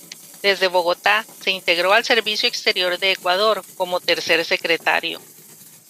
Desde Bogotá, se integró al servicio exterior de Ecuador, como tercer secretario.